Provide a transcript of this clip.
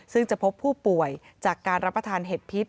ซึ่งจะพบผู้ป่วยจากการรับประทานเห็ดพิษ